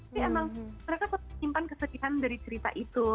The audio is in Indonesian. tapi emang mereka menyimpan kesedihan dari cerita itu